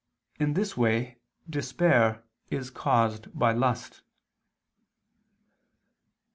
In this way despair is caused by lust.